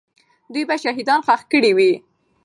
دوی به شهیدان ښخ کړي وي.